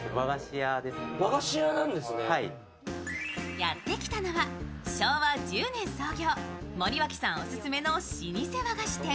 やってきたのは昭和１０年創業森脇さんオススメの老舗和菓子店